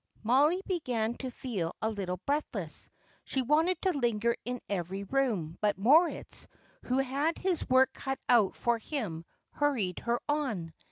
Mollie began to feel a little breathless; she wanted to linger in every room, but Moritz, who had his work cut out for him, hurried her on.